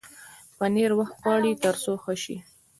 پنېر وخت غواړي تر څو ښه شي.